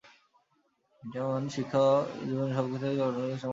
যেমন শিক্ষা ও জীবনের সব ক্ষেত্রে নর-নারীর সমান অধিকার প্রয়োগ করা।